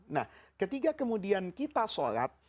nah ketika kemudian kita sholat